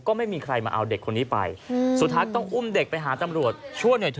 ก็ไม่มีใครมาเอาเด็กคนนี้ไปสุดท้ายต้องอุ้มเด็กไปหาตำรวจช่วยหน่อยเถ